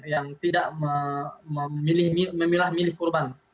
yang tidak memilah milih korban